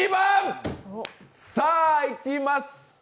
さぁいきます。